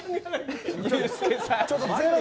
ユースケさん